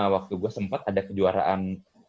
waktu gue sempet ada kejuaraan